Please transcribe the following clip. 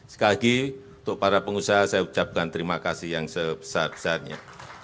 sekali lagi untuk para pengusaha saya ucapkan terima kasih yang sebesar besarnya